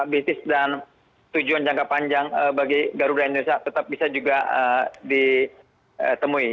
bisnis dan tujuan jangka panjang bagi garuda indonesia tetap bisa juga ditemui